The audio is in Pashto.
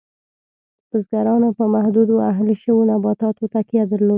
بزګرانو په محدودو اهلي شویو نباتاتو تکیه درلود.